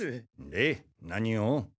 で何を？